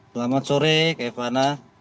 selamat sore kak ivana